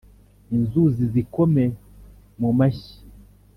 Inzuzi zikome mu mashyi